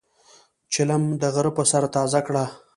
چیلم د غرۀ پۀ سر تازه کړه.